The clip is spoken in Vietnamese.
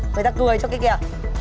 người ta cười cho cái kìa